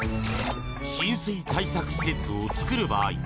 浸水対策施設を作る場合